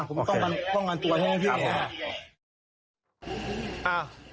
ผมต้องการตัวให้พี่นะครับ